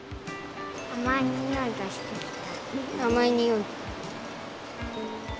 あまいにおいがしてきた。